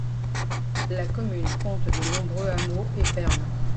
La commune compte de nombreux hameaux et fermes.